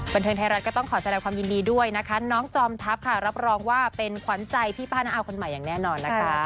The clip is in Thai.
บันเทิงไทยรัฐก็ต้องขอแสดงความยินดีด้วยนะคะน้องจอมทัพค่ะรับรองว่าเป็นขวัญใจพี่ป้าน้าอาวคนใหม่อย่างแน่นอนนะคะ